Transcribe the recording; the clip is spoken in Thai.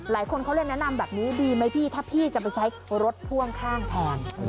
หลายคนเขาเลยแนะนำแบบนี้ดีไหมพี่ถ้าพี่จะไปใช้รถพ่วงข้างแทน